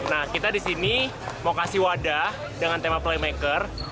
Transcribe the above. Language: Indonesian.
nah kita di sini mau kasih wadah dengan tema playmaker